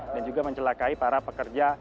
dan juga mencelakai para pekerja